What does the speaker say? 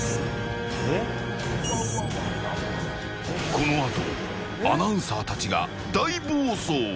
このあとアナウンサーたちが大暴走。